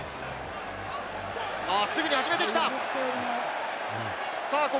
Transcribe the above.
すぐに始めてきた。